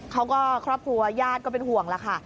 ครอบครัวญาติก็เป็นห่วงล่ะค่ะ